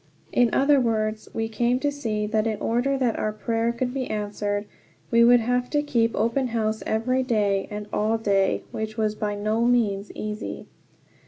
In other words, we came to see that in order that our prayer could be answered we would have to keep open house every day and all day, which was by no means easy.